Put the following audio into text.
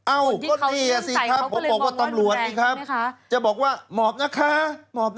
อ้าวก็ดีสิครับผมบอกว่าตำรวจนี่ครับจะบอกว่าหมอบนะคะหมอบนะหมอบนะ